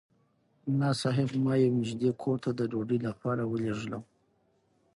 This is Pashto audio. ملا صاحب ما یو نږدې کور ته د ډوډۍ لپاره ولېږلم.